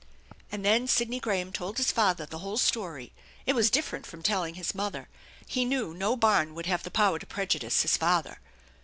And then Sidney Graham told his father the whole story, It was different from telling his mother. He knew no barn would have the power to prejudice his father.